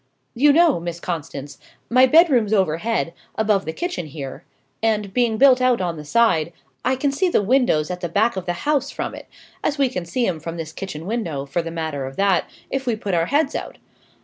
"You know, Miss Constance, my bedroom's overhead, above the kitchen here, and, being built out on the side, I can see the windows at the back of the house from it as we can see 'em from this kitchen window, for the matter of that, if we put our heads out.